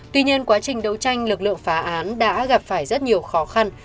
tuy nhiên quá trình đấu tranh lực lượng phá án đã gặp phải rất nhiều khó khăn